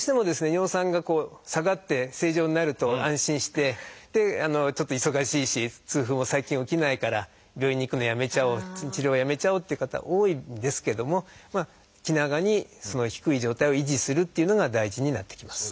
尿酸が下がって正常になると安心してでちょっと忙しいし痛風も最近起きないから病院に行くのをやめちゃおう治療をやめちゃおうっていう方多いんですけども気長にその低い状態を維持するっていうのが大事になってきます。